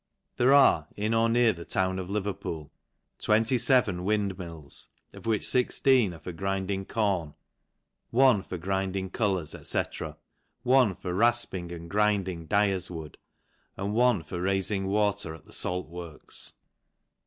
There are, in or near the town of Leverpool, 27 ndmills : of which 16 are for grinding corn, one grinding colours, &c. one for rafping and grind \y dyer's wood, and one for raifing water at the it works.